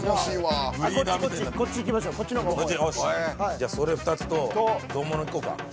じゃあそれ２つと丼ものいこうか？